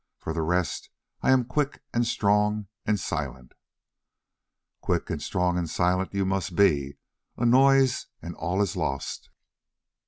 For the rest I am quick and strong and silent." "Quick and strong and silent you must be. A noise, and all is lost."